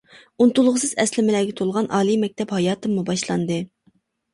ئۇنتۇلغۇسىز ئەسلىمىلەرگە تولغان ئالىي مەكتەپ ھاياتىممۇ باشلاندى.